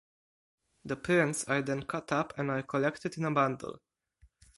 The prints are then cut up and are collected in a bundle.